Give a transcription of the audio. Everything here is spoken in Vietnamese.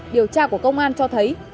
điều tra của công an cho thấy